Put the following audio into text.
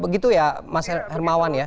begitu ya mas hermawan ya